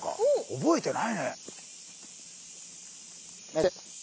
覚えてないね。